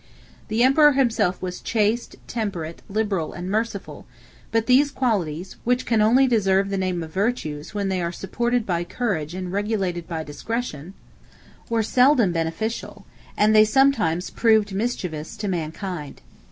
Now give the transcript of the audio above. The emperor himself was chaste, temperate, liberal, and merciful; but these qualities, which can only deserve the name of virtues when they are supported by courage and regulated by discretion, were seldom beneficial, and they sometimes proved mischievous, to mankind.